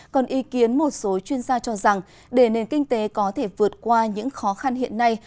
còn ý kiến một số chuyên gia cho rằng để nền kinh tế có thể vượt qua những khó khăn hiện nay